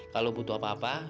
kalau butuh apa apa